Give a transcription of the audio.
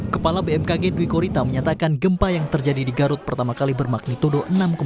kepala bmkg dwi korita menyatakan gempa yang terjadi di garut pertama kali bermagnitudo enam tujuh